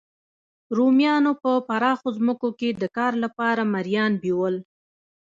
رومیانو په پراخو ځمکو کې د کار لپاره مریان بیول